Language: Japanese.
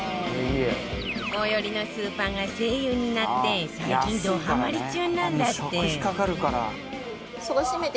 最寄りのスーパーが ＳＥＩＹＵ になって最近どハマり中なんだって